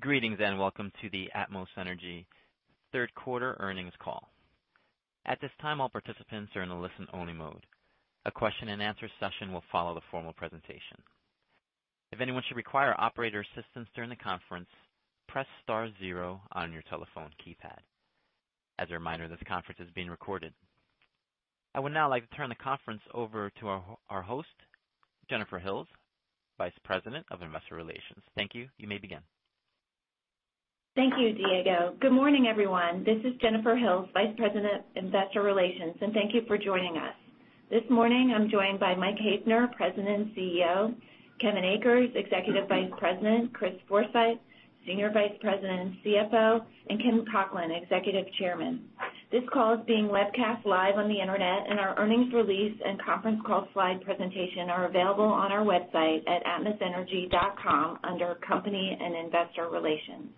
Greetings and welcome to the Atmos Energy third quarter earnings call. At this time, all participants are in a listen-only mode. A question and answer session will follow the formal presentation. If anyone should require operator assistance during the conference, press star zero on your telephone keypad. As a reminder, this conference is being recorded. I would now like to turn the conference over to our host, Jennifer Hills, Vice President of Investor Relations. Thank you. You may begin. Thank you, Diego. Good morning, everyone. This is Jennifer Hills, Vice President, Investor Relations, and thank you for joining us. This morning, I'm joined by Mike Haefner, President and CEO, Kevin Akers, Executive Vice President, Chris Forsythe, Senior Vice President and CFO, and Kim Cocklin, Executive Chairman. This call is being webcast live on the Internet, and our earnings release and conference call slide presentation are available on our website at atmosenergy.com under Company and Investor Relations.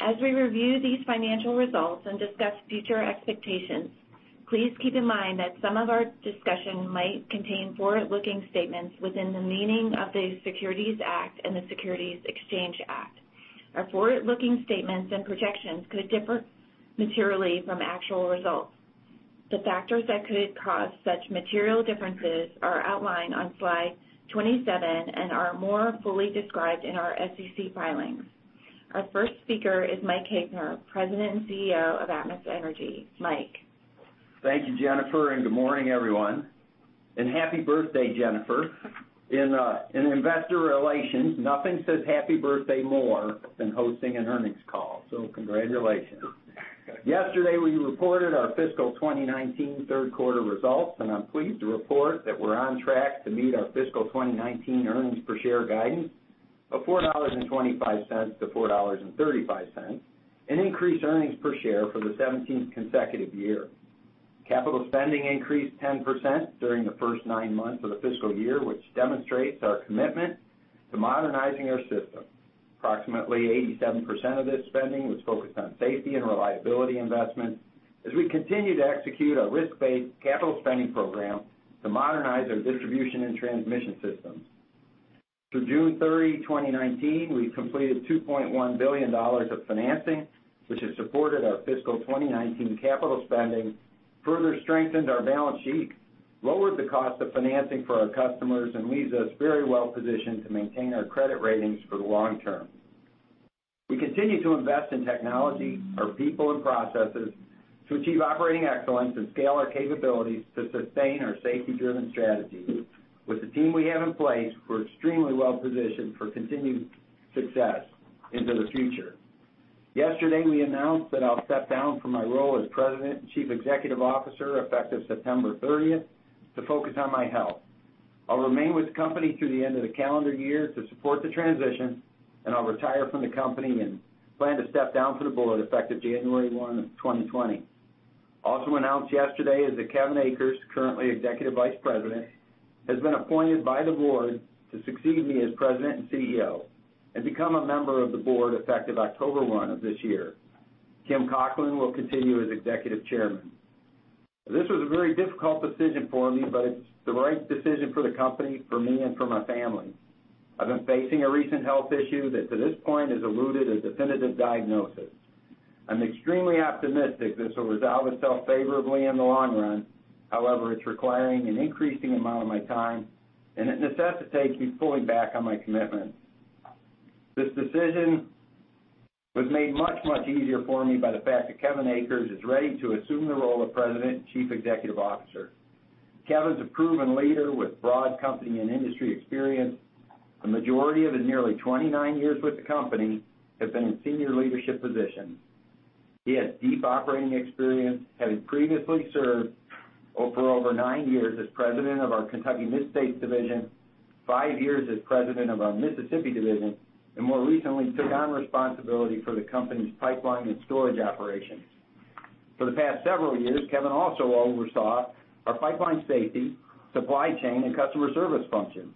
As we review these financial results and discuss future expectations, please keep in mind that some of our discussion might contain forward-looking statements within the meaning of the Securities Act and the Securities Exchange Act. Our forward-looking statements and projections could differ materially from actual results. The factors that could cause such material differences are outlined on slide 27 and are more fully described in our SEC filings. Our first speaker is Mike Haefner, President and CEO of Atmos Energy. Mike? Thank you, Jennifer, and good morning, everyone. Happy birthday, Jennifer. In Investor Relations, nothing says happy birthday more than hosting an earnings call, so congratulations. Yesterday, we reported our fiscal 2019 third-quarter results, and I'm pleased to report that we're on track to meet our fiscal 2019 earnings per share guidance of $4.25 to $4.35, an increased earnings per share for the 17th consecutive year. Capital spending increased 10% during the first nine months of the fiscal year, which demonstrates our commitment to modernizing our system. Approximately 87% of this spending was focused on safety and reliability investments as we continue to execute a risk-based capital spending program to modernize our distribution and transmission systems. Through June 30, 2019, we've completed $2.1 billion of financing, which has supported our fiscal 2019 capital spending, further strengthened our balance sheet, lowered the cost of financing for our customers, and leaves us very well-positioned to maintain our credit ratings for the long term. We continue to invest in technology, our people, and processes to achieve operating excellence and scale our capabilities to sustain our safety-driven strategies. With the team we have in place, we're extremely well-positioned for continued success into the future. Yesterday, we announced that I'll step down from my role as President and Chief Executive Officer effective September 30th to focus on my health. I'll remain with the company through the end of the calendar year to support the transition, and I'll retire from the company and plan to step down for the board effective January 1, 2020. Also announced yesterday is that Kevin Akers, currently Executive Vice President, has been appointed by the board to succeed me as President and CEO and become a member of the board effective October 1 of this year. Kim Cocklin will continue as Executive Chairman. This was a very difficult decision for me, but it's the right decision for the company, for me, and for my family. I've been facing a recent health issue that to this point has eluded a definitive diagnosis. I'm extremely optimistic this will resolve itself favorably in the long run. However, it's requiring an increasing amount of my time, and it necessitates me pulling back on my commitment. This decision was made much, much easier for me by the fact that Kevin Akers is ready to assume the role of President and Chief Executive Officer. Kevin's a proven leader with broad company and industry experience. The majority of his nearly 29 years with the company have been in senior leadership positions. He has deep operating experience, having previously served for over nine years as president of our Kentucky/Mid-States division, five years as president of our Mississippi division, and more recently took on responsibility for the company's pipeline and storage operations. For the past several years, Kevin also oversaw our pipeline safety, supply chain, and customer service functions,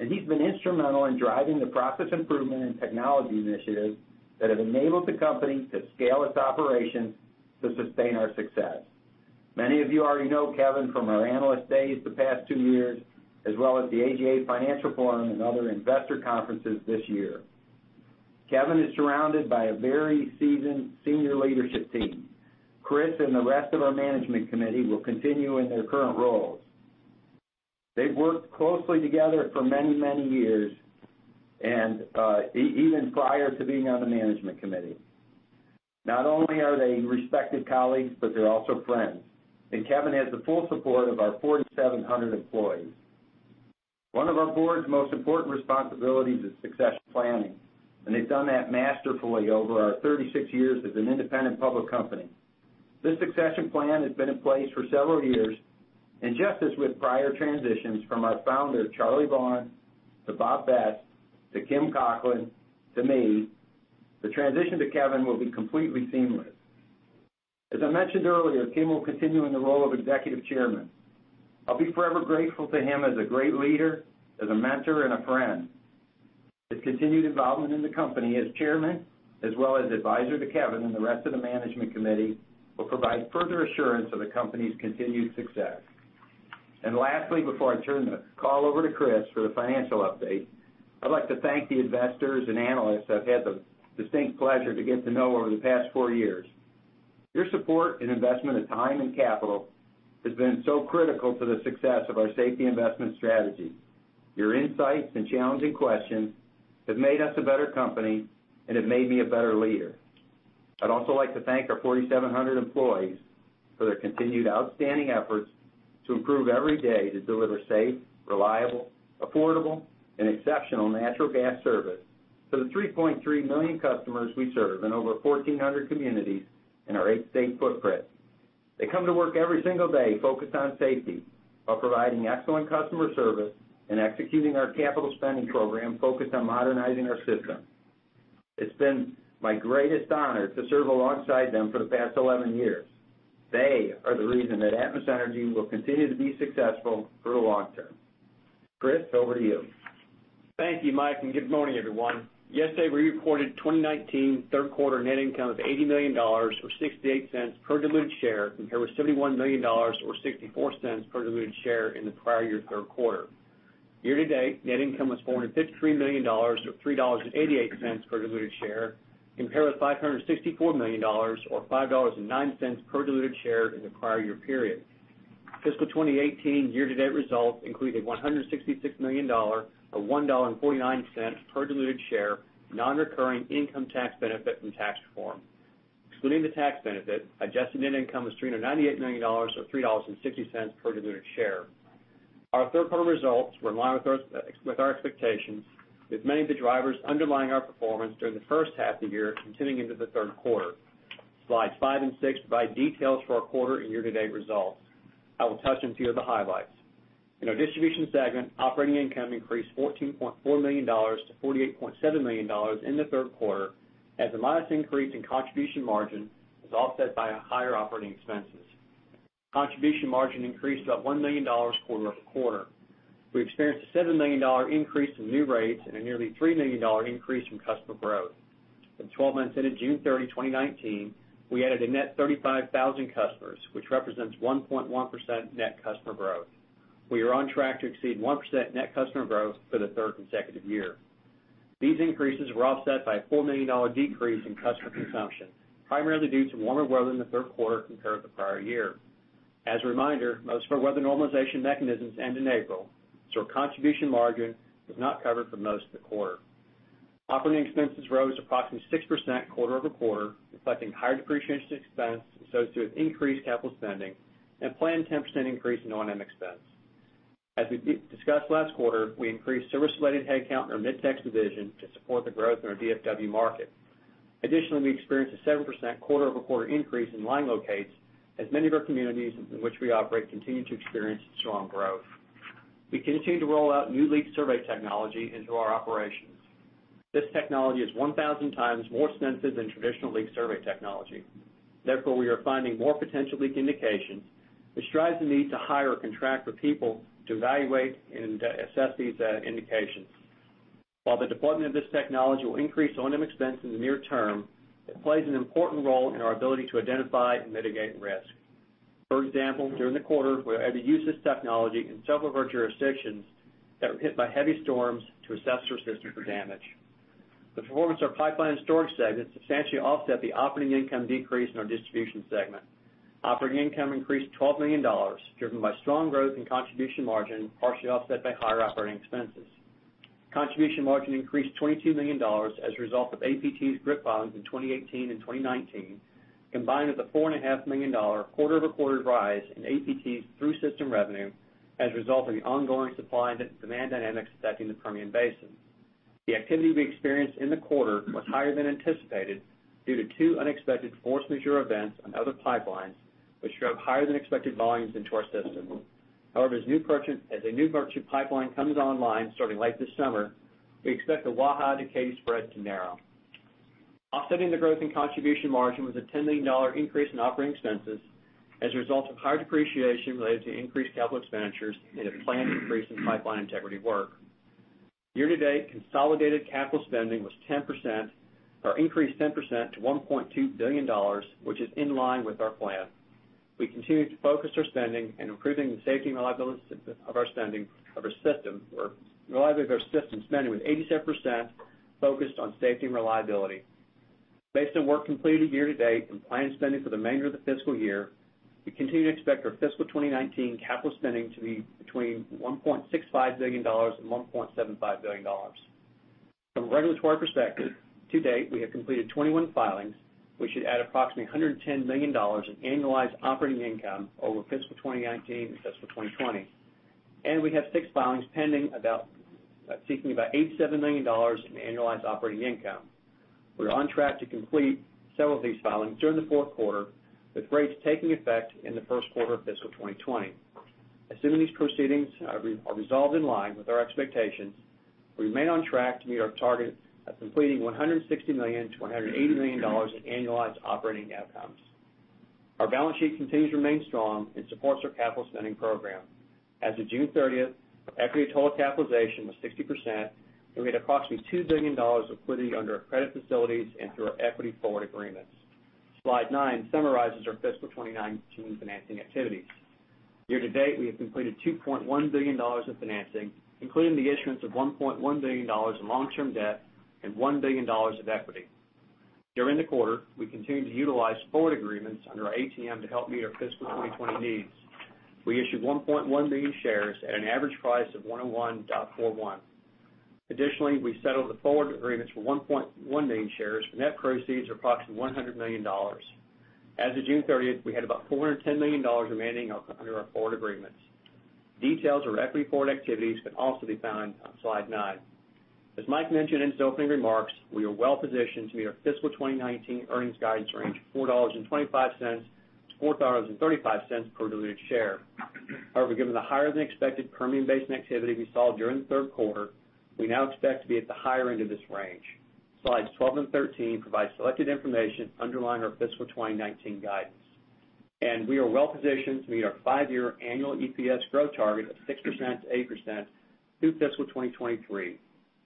and he's been instrumental in driving the process improvement and technology initiatives that have enabled the company to scale its operations to sustain our success. Many of you already know Kevin from our Analyst Days the past two years, as well as the AGA Financial Forum and other investor conferences this year. Kevin is surrounded by a very seasoned senior leadership team. Chris and the rest of our management committee will continue in their current roles. They've worked closely together for many, many years and even prior to being on the management committee. Not only are they respected colleagues, but they're also friends, and Kevin has the full support of our 4,700 employees. One of our board's most important responsibilities is success planning, and they've done that masterfully over our 36 years as an independent public company. This succession plan has been in place for several years, and just as with prior transitions from our founder, Charlie Vaughan, to Bob Best, to Kim Cocklin, to me, the transition to Kevin will be completely seamless. As I mentioned earlier, Kim will continue in the role of executive chairman. I'll be forever grateful to him as a great leader, as a mentor, and a friend. His continued involvement in the company as chairman as well as advisor to Kevin and the rest of the management committee will provide further assurance of the company's continued success. Lastly, before I turn the call over to Chris for the financial update, I'd like to thank the investors and analysts I've had the distinct pleasure to get to know over the past four years. Your support and investment of time and capital has been so critical to the success of our safety investment strategy. Your insights and challenging questions have made us a better company, and have made me a better leader. I'd also like to thank our 4,700 employees for their continued outstanding efforts to improve every day to deliver safe, reliable, affordable, and exceptional natural gas service to the 3.3 million customers we serve in over 1,400 communities in our eight-state footprint. They come to work every single day focused on safety while providing excellent customer service and executing our capital spending program focused on modernizing our system. It's been my greatest honor to serve alongside them for the past 11 years. They are the reason that Atmos Energy will continue to be successful for the long term. Chris, over to you. Thank you, Mike. Good morning, everyone. Yesterday, we reported 2019 third quarter net income of $80 million, or $0.68 per diluted share, compared with $71 million or $0.64 per diluted share in the prior year third quarter. Year-to-date, net income was $453 million or $3.88 per diluted share, compared with $564 million or $5.09 per diluted share in the prior year period. Fiscal 2018 year-to-date results included $166 million, or $1.49 per diluted share, non-recurring income tax benefit from tax reform. Excluding the tax benefit, adjusted net income was $398 million or $3.60 per diluted share. Our third quarter results were in line with our expectations, with many of the drivers underlying our performance during the first half of the year continuing into the third quarter. Slides five and six provide details for our quarter and year-to-date results. I will touch on a few of the highlights. In our distribution segment, operating income increased $14.4 million to $48.7 million in the third quarter as the modest increase in contribution margin was offset by higher operating expenses. Contribution margin increased about $1 million quarter-over-quarter. We experienced a $7 million increase in new rates and a nearly $3 million increase in customer growth. In the 12 months ended June 30, 2019, we added a net 35,000 customers, which represents 1.1% net customer growth. We are on track to exceed 1% net customer growth for the third consecutive year. These increases were offset by a $4 million decrease in customer consumption, primarily due to warmer weather in the third quarter compared to the prior year. As a reminder, most of our weather normalization mechanisms end in April, so our contribution margin was not covered for most of the quarter. Operating expenses rose approximately 6% quarter-over-quarter, reflecting higher depreciation expense associated with increased capital spending and a planned 10% increase in O&M expense. As we discussed last quarter, we increased service-related headcount in our Mid-Tex Division to support the growth in our DFW market. Additionally, we experienced a 7% quarter-over-quarter increase in line locates as many of our communities in which we operate continue to experience strong growth. We continue to roll out new leak survey technology into our operations. This technology is 1,000 times more sensitive than traditional leak survey technology. Therefore, we are finding more potential leak indications, which drives the need to hire contractor people to evaluate and assess these indications. While the deployment of this technology will increase O&M expense in the near term, it plays an important role in our ability to identify and mitigate risk. For example, during the quarter, we had to use this technology in several of our jurisdictions that were hit by heavy storms to assess their system for damage. The performance of our pipeline and storage segment substantially offset the operating income decrease in our distribution segment. Operating income increased $12 million, driven by strong growth in contribution margin, partially offset by higher operating expenses. Contribution margin increased $22 million as a result of APT's GRIP volumes in 2018 and 2019, combined with the $4.5 million quarter-over-quarter rise in APT's through system revenue as a result of the ongoing supply and demand dynamics affecting the Permian Basin. The activity we experienced in the quarter was higher than anticipated due to two unexpected force majeure events on other pipelines, which drove higher-than-expected volumes into our system. As a new merchant pipeline comes online starting late this summer, we expect the Waha to Katy spread to narrow. Offsetting the growth in contribution margin was a $10 million increase in operating expenses as a result of higher depreciation related to increased capital expenditures and a planned increase in pipeline integrity work. Year-to-date consolidated capital spending increased 10% to $1.2 billion, which is in line with our plan. We continue to focus our spending on improving the safety and reliability of our system, with 87% focused on safety and reliability. Based on work completed year to date and planned spending for the remainder of the fiscal year, we continue to expect our fiscal 2019 capital spending to be between $1.65 billion and $1.75 billion. From a regulatory perspective, to date, we have completed 21 filings, which should add approximately $110 million in annualized operating income over fiscal 2019 and fiscal 2020. We have six filings pending, seeking about $87 million in annualized operating income. We're on track to complete several of these filings during the fourth quarter, with rates taking effect in the first quarter of fiscal 2020. Assuming these proceedings are resolved in line with our expectations, we remain on track to meet our target of completing $160 million-$180 million in annualized operating outcomes. Our balance sheet continues to remain strong and supports our capital spending program. As of June 30th, our equity total capitalization was 60%, and we had approximately $2 billion of liquidity under our credit facilities and through our equity forward agreements. Slide nine summarizes our fiscal 2019 financing activities. Year-to-date, we have completed $2.1 billion of financing, including the issuance of $1.1 billion in long-term debt and $1 billion of equity. During the quarter, we continued to utilize forward agreements under our ATM to help meet our fiscal 2020 needs. We issued 1.1 million shares at an average price of $101.41. We settled the forward agreements for 1.1 million shares for net proceeds of approximately $100 million. As of June 30th, we had about $410 million remaining under our forward agreements. Details of our equity forward activities can also be found on slide nine. As Mike mentioned in his opening remarks, we are well-positioned to meet our fiscal 2019 earnings guidance range of $4.25-$4.35 per diluted share. Given the higher-than-expected Permian Basin activity we saw during the third quarter, we now expect to be at the higher end of this range. Slides 12 and 13 provide selected information underlying our fiscal 2019 guidance. We are well-positioned to meet our five-year annual EPS growth target of 6%-8% through fiscal 2023.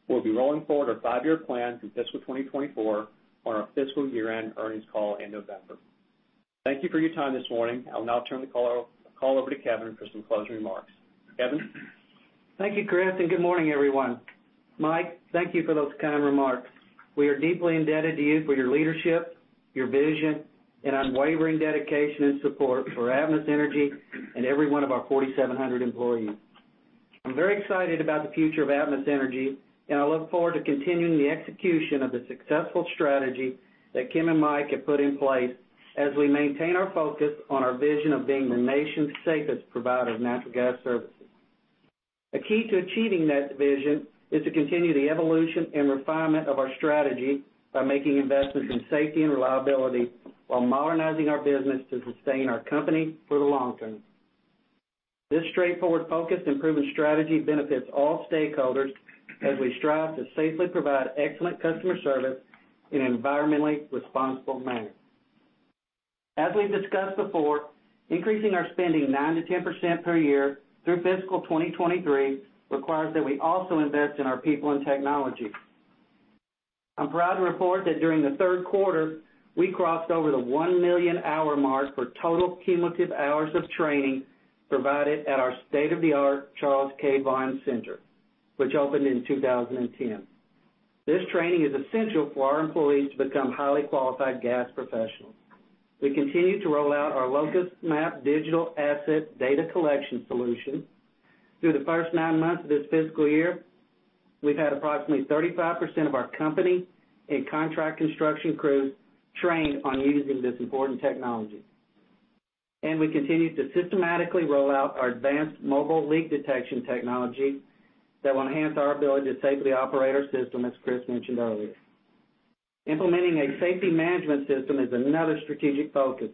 We'll be rolling forward our five-year plan through fiscal 2024 on our fiscal year-end earnings call in November. Thank you for your time this morning. I'll now turn the call over to Kevin for some closing remarks. Kevin? Thank you, Chris, and good morning, everyone. Mike, thank you for those kind remarks. We are deeply indebted to you for your leadership, your vision, and unwavering dedication and support for Atmos Energy and every one of our 4,700 employees. I'm very excited about the future of Atmos Energy, and I look forward to continuing the execution of the successful strategy that Kim Cocklin and Mike have put in place as we maintain our focus on our vision of being the nation's safest provider of natural gas services. A key to achieving that vision is to continue the evolution and refinement of our strategy by making investments in safety and reliability while modernizing our business to sustain our company for the long term. This straightforward, focused, and proven strategy benefits all stakeholders as we strive to safely provide excellent customer service in an environmentally responsible manner. As we've discussed before, increasing our spending 9%-10% per year through fiscal 2023 requires that we also invest in our people and technology. I'm proud to report that during the third quarter, we crossed over the 1 million-hour mark for total cumulative hours of training provided at our state-of-the-art Charles K. Vaughan Center, which opened in 2010. This training is essential for our employees to become highly qualified gas professionals. We continue to roll out our LocusMap digital asset data collection solution. Through the first nine months of this fiscal year, we've had approximately 35% of our company and contract construction crews trained on using this important technology. We continue to systematically roll out our advanced mobile leak detection technology that will enhance our ability to safely operate our system, as Chris mentioned earlier. Implementing a safety management system is another strategic focus.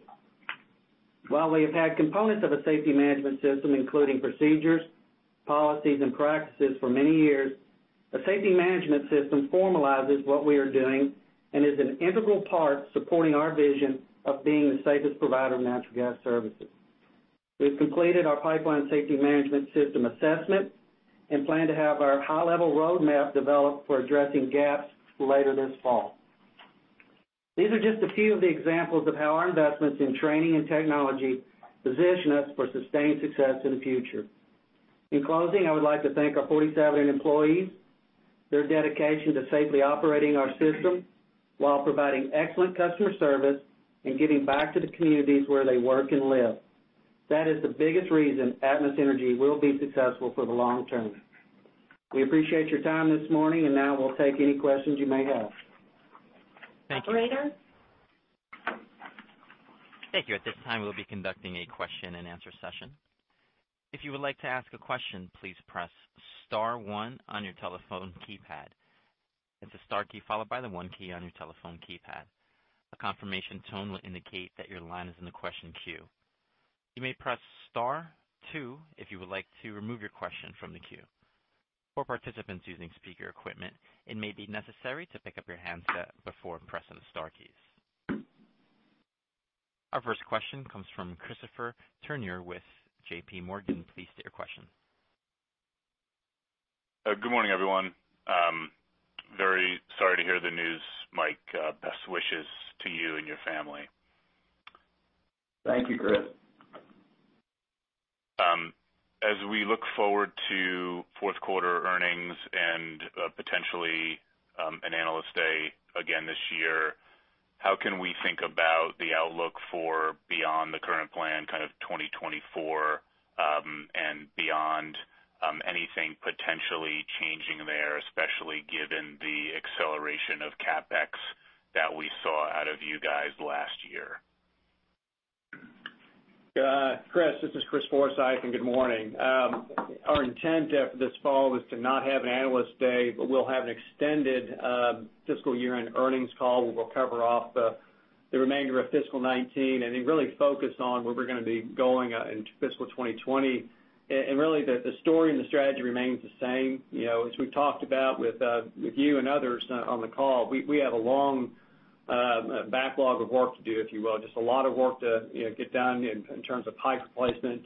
While we have had components of a safety management system, including procedures, policies, and practices for many years, a safety management system formalizes what we are doing and is an integral part supporting our vision of being the safest provider of natural gas services. We've completed our pipeline safety management system assessment and plan to have our high-level roadmap developed for addressing gaps later this fall. These are just a few of the examples of how our investments in training and technology position us for sustained success in the future. In closing, I would like to thank our 4,700 employees. Their dedication to safely operating our system while providing excellent customer service and giving back to the communities where they work and live, that is the biggest reason Atmos Energy will be successful for the long term. We appreciate your time this morning, and now we'll take any questions you may have. Thank you. Operator? Thank you. At this time, we'll be conducting a question-and-answer session. If you would like to ask a question, please press star one on your telephone keypad. It's the star key followed by the one key on your telephone keypad. A confirmation tone will indicate that your line is in the question queue. You may press star two if you would like to remove your question from the queue. For participants using speaker equipment, it may be necessary to pick up your handset before pressing the star keys. Our first question comes from Christopher Turnure with JPMorgan. Please state your question. Good morning, everyone. Very sorry to hear the news, Mike. Best wishes to you and your family. Thank you, Chris. As we look forward to fourth quarter earnings and potentially an Analyst Day again this year, how can we think about the outlook for beyond the current plan, kind of 2024 and beyond, anything potentially changing there, especially given the acceleration of CapEx that we saw out of you guys last year? Chris, this is Chris Forsythe. Good morning. Our intent this fall is to not have an Analyst Day. We'll have an extended fiscal year-end earnings call where we'll cover off the remainder of fiscal 2019. Really focus on where we're going to be going into fiscal 2020. Really, the story and the strategy remains the same. As we've talked about with you and others on the call, we have a long backlog of work to do, if you will. Just a lot of work to get done in terms of pipe replacement.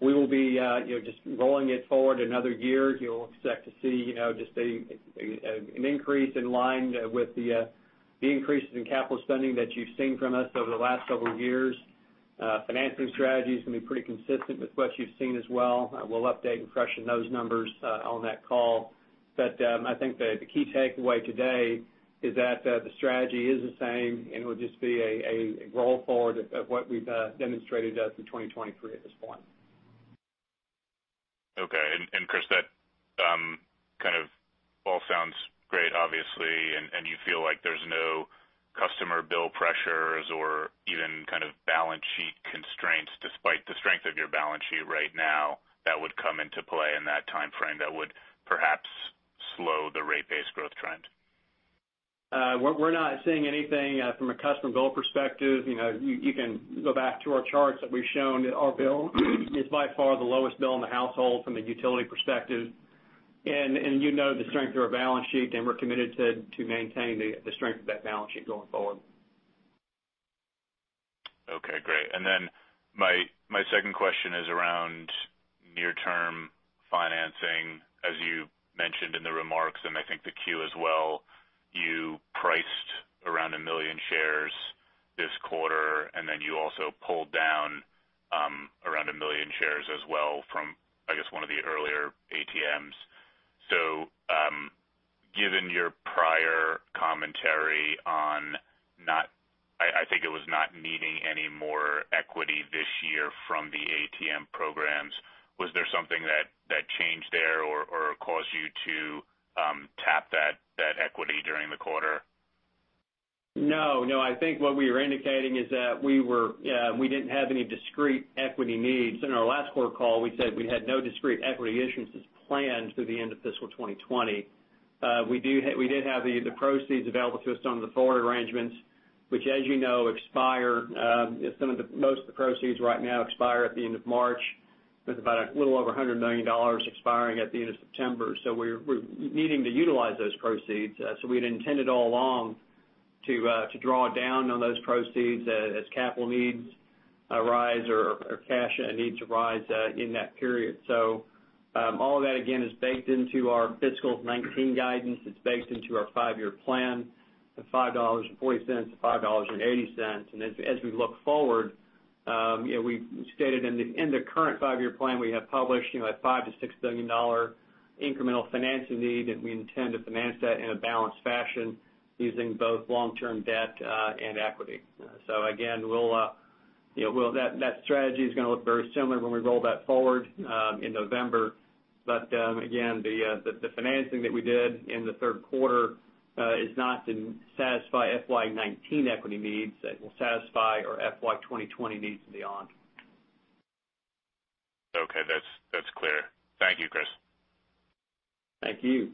We will be just rolling it forward another year. You'll expect to see just an increase in line with the increases in capital spending that you've seen from us over the last several years. Financing strategy is going to be pretty consistent with what you've seen as well. We'll update and freshen those numbers on that call. I think the key takeaway today is that the strategy is the same, and it will just be a roll forward of what we've demonstrated through 2023 at this point. Chris, that kind of all sounds great, obviously, and you feel like there's no customer bill pressures or even kind of balance sheet constraints despite the strength of your balance sheet right now that would come into play in that timeframe that would perhaps slow the rate base growth trend? We're not seeing anything from a customer bill perspective. You can go back to our charts that we've shown. Our bill is by far the lowest bill in the household from a utility perspective. You know the strength of our balance sheet, and we're committed to maintaining the strength of that balance sheet going forward. Okay, great. My second question is around near-term financing. As you mentioned in the remarks, and I think the Q as well, you priced around 1 million shares this quarter, and then you also pulled down around 1 million shares as well from, I guess, one of the earlier ATMs. Given your prior commentary on not, I think it was not needing any more equity this year from the ATM programs, was there something that changed there or caused you to tap that equity during the quarter? No. I think what we were indicating is that we didn't have any discrete equity needs. In our last quarter call, we said we had no discrete equity issuances planned through the end of fiscal 2020. We did have the proceeds available to us on the forward arrangements, which as you know, most of the proceeds right now expire at the end of March, with about a little over $100 million expiring at the end of September. We're needing to utilize those proceeds. We had intended all along to draw down on those proceeds as capital needs arise or cash needs arise in that period. All of that, again, is baked into our fiscal 2019 guidance. It's baked into our five-year plan, the $5.40, the $5.80. As we look forward, we've stated in the current five-year plan, we have published a $5 billion-$6 billion incremental financing need. We intend to finance that in a balanced fashion using both long-term debt and equity. Again, that strategy is going to look very similar when we roll that forward in November. Again, the financing that we did in the third quarter is not to satisfy FY 2019 equity needs. It will satisfy our FY 2020 needs and beyond. Okay. That's clear. Thank you, Chris. Thank you.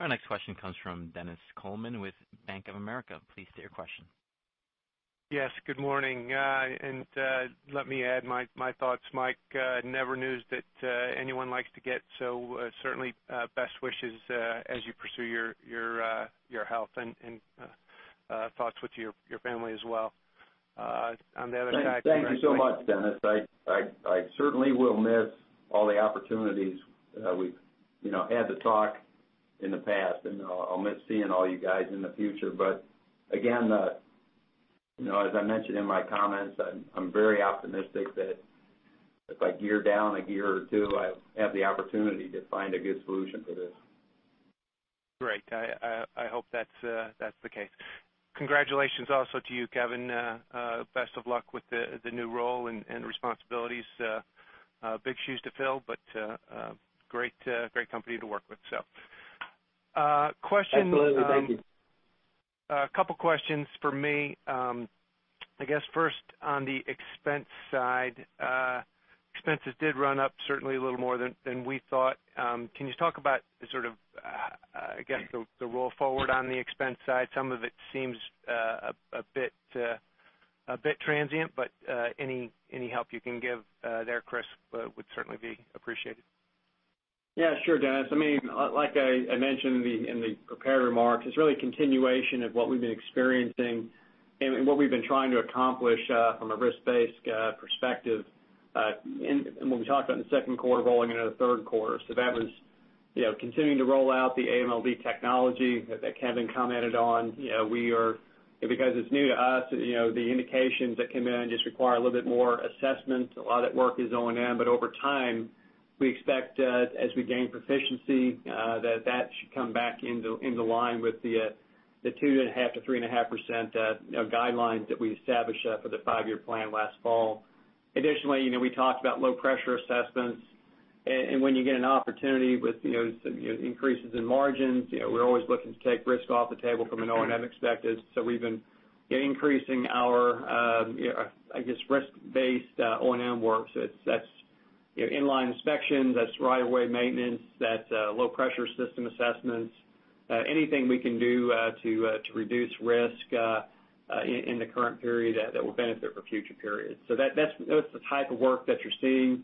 Our next question comes from Dennis Coleman with Bank of America. Please state your question. Yes, good morning. Let me add my thoughts, Mike. Never news that anyone likes to get, certainly best wishes as you pursue your health, and thoughts with your family as well. Thank you so much, Dennis. I certainly will miss all the opportunities we've had to talk in the past, and I'll miss seeing all you guys in the future. Again, as I mentioned in my comments, I'm very optimistic that if I gear down a gear or two, I have the opportunity to find a good solution for this. Great. I hope that's the case. Congratulations also to you, Kevin. Best of luck with the new role and responsibilities. Big shoes to fill, but great company to work with. Absolutely. Thank you. A couple questions from me. I guess first on the expense side. Expenses did run up certainly a little more than we thought. Can you talk about sort of, again, the roll forward on the expense side? Some of it seems a bit transient, but any help you can give there, Chris, would certainly be appreciated. Sure, Dennis. Like I mentioned in the prepared remarks, it is really a continuation of what we have been experiencing and what we have been trying to accomplish from a risk-based perspective. What we talked about in the second quarter rolling into the third quarter. That was continuing to roll out the AMLD technology that Kevin commented on. Because it is new to us, the indications that come in just require a little bit more assessment. A lot of that work is O&M, but over time, we expect as we gain proficiency, that that should come back into line with the 2.5% to 3.5% guidelines that we established for the five-year plan last fall. Additionally, we talked about low pressure assessments, and when you get an opportunity with increases in margins, we are always looking to take risk off the table from an O&M perspective. We've been increasing our, I guess, risk-based O&M work. That's inline inspections, that's right of way maintenance, that's low pressure system assessments. Anything we can do to reduce risk in the current period that will benefit for future periods. That's the type of work that you're seeing.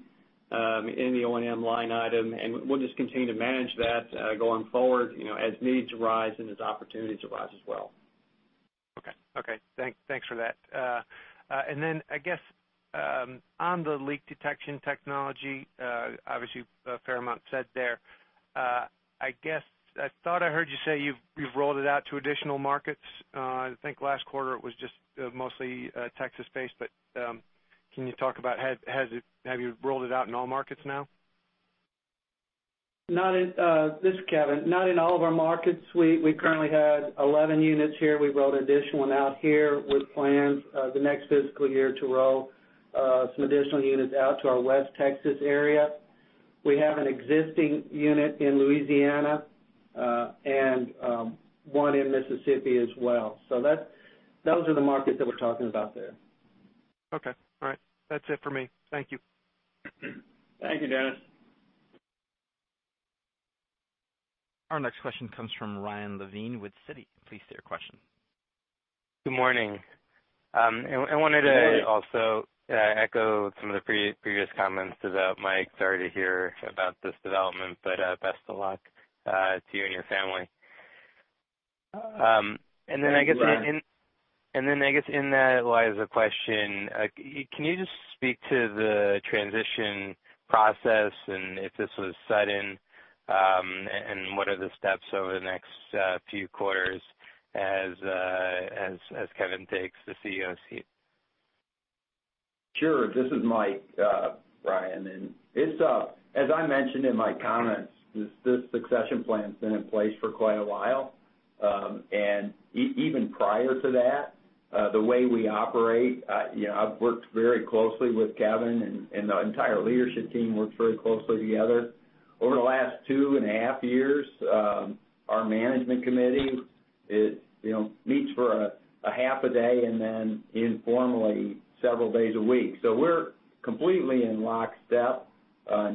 In the O&M line item, and we'll just continue to manage that going forward as needs arise and as opportunities arise as well. Okay. Thanks for that. I guess, on the leak detection technology, obviously a fair amount said there. I thought I heard you say you've rolled it out to additional markets. I think last quarter it was just mostly Texas-based, can you talk about, have you rolled it out in all markets now? This is Kevin. Not in all of our markets. We currently had 11 units here. We rolled additional out here with plans the next fiscal year to roll some additional units out to our West Texas area. We have an existing unit in Louisiana, and one in Mississippi as well. Those are the markets that we're talking about there. Okay. All right. That's it for me. Thank you. Thank you, Dennis. Our next question comes from Ryan Levine with Citi. Please state your question. Good morning. Good morning. I wanted to also echo some of the previous comments to Mike. Sorry to hear about this development, but best of luck to you and your family. Thank you, Ryan. I guess in that lies a question. Can you just speak to the transition process and if this was sudden? What are the steps over the next few quarters as Kevin takes the CEO seat? Sure. This is Mike, Ryan. As I mentioned in my comments, this succession plan's been in place for quite a while. Even prior to that, the way we operate, I've worked very closely with Kevin, and the entire leadership team works very closely together. Over the last two and a half years, our management committee meets for a half a day and then informally several days a week. We're completely in lockstep.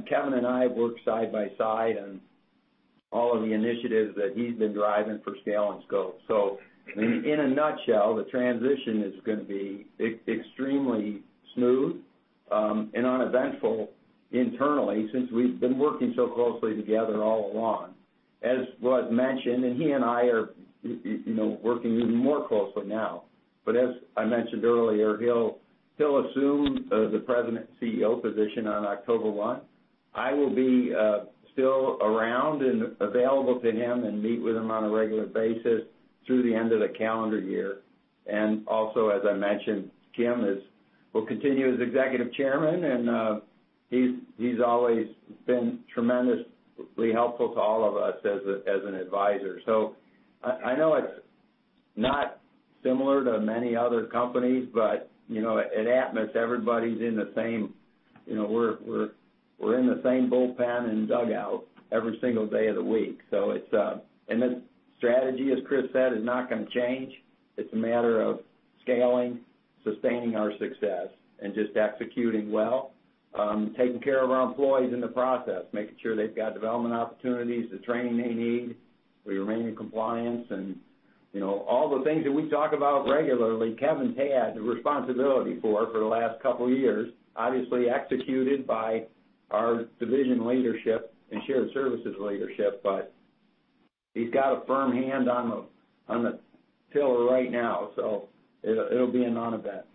Kevin and I have worked side by side on all of the initiatives that he's been driving for scale and scope. In a nutshell, the transition is going to be extremely smooth and uneventful internally, since we've been working so closely together all along. As was mentioned, and he and I are working even more closely now, but as I mentioned earlier, he'll assume the President and Chief Executive Officer position on October 1. I will be still around and available to him and meet with him on a regular basis through the end of the calendar year. As I mentioned, Kim will continue as Executive Chairman, and he's always been tremendously helpful to all of us as an advisor. I know it's not similar to many other companies, but at Atmos everybody's in the same boat band and dugout every single day of the week. The strategy, as Chris said, is not going to change. It's a matter of scaling, sustaining our success, and just executing well, taking care of our employees in the process, making sure they've got development opportunities, the training they need. We remain in compliance and all the things that we talk about regularly, Kevin’s had the responsibility for the last couple of years, obviously executed by our division leadership and shared services leadership, but he’s got a firm hand on the tiller right now, so it’ll be a nonevent.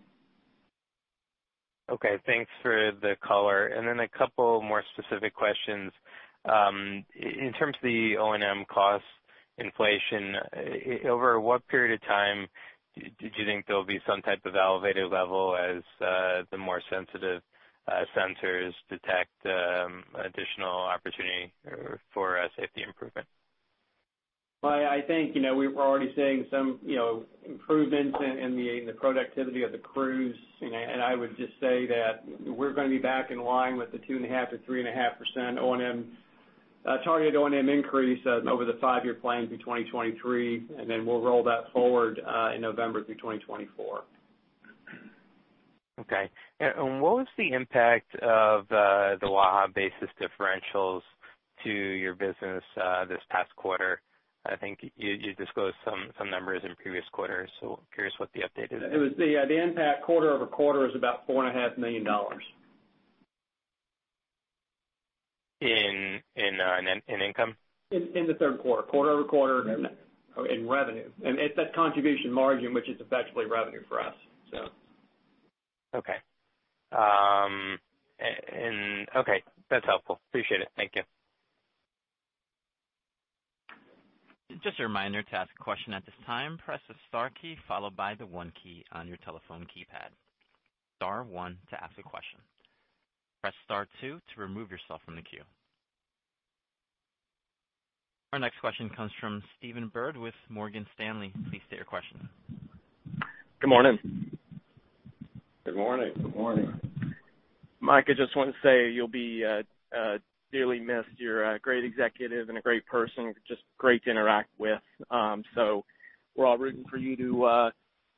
Okay. Thanks for the color. A couple more specific questions. In terms of the O&M cost inflation, over what period of time did you think there'll be some type of elevated level as the more sensitive centers detect additional opportunity for safety improvement? Well, I think we're already seeing some improvements in the productivity of the crews, and I would just say that we're going to be back in line with the 2.5%-3.5% targeted O&M increase over the five-year plan through 2023, and then we'll roll that forward in November through 2024. Okay. What was the impact of the Waha basis differentials to your business this past quarter? I think you disclosed some numbers in previous quarters, so curious what the update is. The impact quarter-over-quarter is about $4.5 million. In income? In the third quarter-over-quarter in revenue. It's that contribution margin, which is effectively revenue for us. Okay. That's helpful. Appreciate it. Thank you. Just a reminder, to ask a question at this time, press the star key followed by the one key on your telephone keypad. Star one to ask a question. Press star two to remove yourself from the queue. Our next question comes from Stephen Byrd with Morgan Stanley. Please state your question. Good morning. Good morning. Good morning. Mike, I just want to say you'll be dearly missed. You're a great executive and a great person, just great to interact with. We're all rooting for you to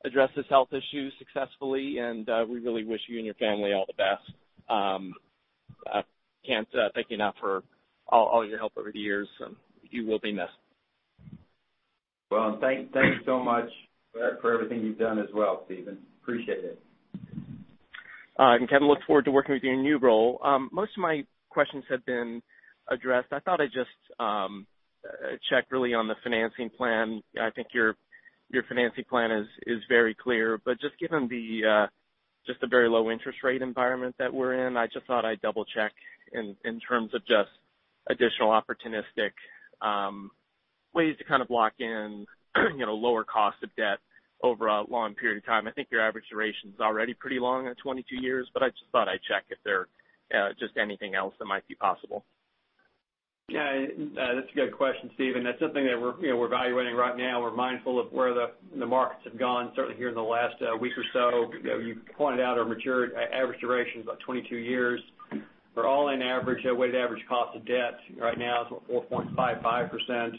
address this health issue successfully, and we really wish you and your family all the best. I can't thank you enough for all your help over the years. You will be missed. Thank you so much for everything you've done as well, Stephen. Appreciate it. Kevin, look forward to working with you in your new role. Most of my questions have been addressed. I thought I'd just check really on the financing plan. I think your financing plan is very clear, but just given the very low interest rate environment that we're in, I just thought I'd double-check in terms of just additional opportunistic ways to kind of lock in lower cost of debt over a long period of time. I think your average duration is already pretty long at 22 years, but I just thought I'd check if there just anything else that might be possible. Yeah, that's a good question, Stephen. That's something that we're evaluating right now. We're mindful of where the markets have gone, certainly here in the last week or so. You pointed out our average duration is about 22 years. For all-in average, our weighted average cost of debt right now is 4.55%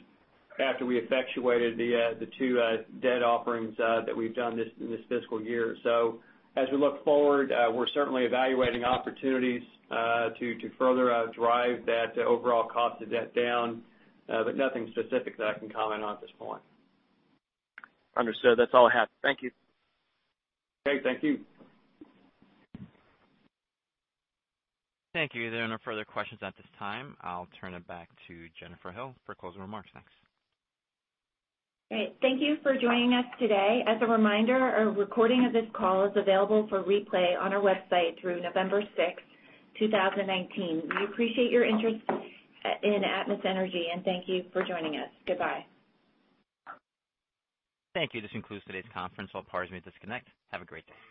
after we effectuated the two debt offerings that we've done in this fiscal year. As we look forward, we're certainly evaluating opportunities to further drive that overall cost of debt down, but nothing specific that I can comment on at this point. Understood. That's all I have. Thank you. Okay, thank you. Thank you. There are no further questions at this time. I'll turn it back to Jennifer Hills for closing remarks. Thanks. Great. Thank you for joining us today. As a reminder, a recording of this call is available for replay on our website through November 6th, 2019. We appreciate your interest in Atmos Energy, and thank you for joining us. Goodbye. Thank you. This concludes today's conference. All parties may disconnect. Have a great day.